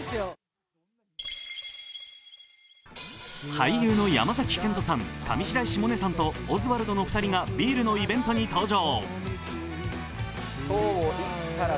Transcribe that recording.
俳優の山崎賢人さん、上白石萌音さんとオズワルドの２人がビールのイベントに登場。